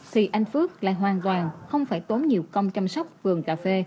thì anh phước lại hoàn toàn không phải tốn nhiều công chăm sóc vườn cà phê